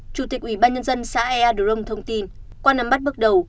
chủ tịch ủy ban nhân dân xã ea drong thông tin qua năm bắt bước đầu